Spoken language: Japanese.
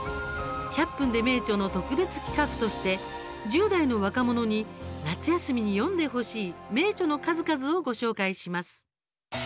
「１００分ｄｅ名著」の特別企画として、１０代の若者に夏休みに読んでほしい名著の数々をご紹介します。